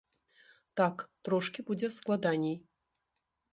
Так, трошкі будзе складаней.